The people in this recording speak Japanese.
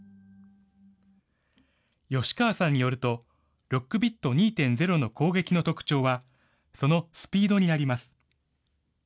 吉川さんによると、Ｌｏｃｋｂｉｔ２．０の攻撃の特徴は、そのスピードにあります。